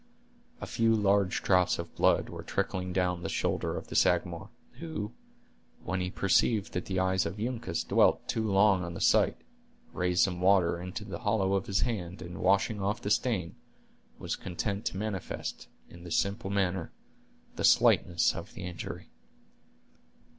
A few large drops of blood were trickling down the shoulder of the Sagamore, who, when he perceived that the eyes of Uncas dwelt too long on the sight, raised some water in the hollow of his hand, and washing off the stain, was content to manifest, in this simple manner, the slightness of the injury.